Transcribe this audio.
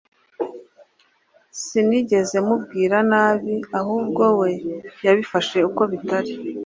Sinigeze mubwira nabi ahubwo we yabifashe uko bitari